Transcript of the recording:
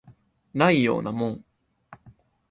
ないようなもん